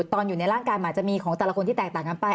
ตอนอยู่ในร่างกายมันอาจจะมีของแต่ละคนที่แตกต่างกันไป